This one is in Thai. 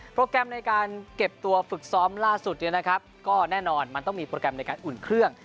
แกรมในการเก็บตัวฝึกซ้อมล่าสุดเนี่ยนะครับก็แน่นอนมันต้องมีโปรแกรมในการอุ่นเครื่อง